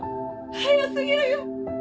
早すぎるよ。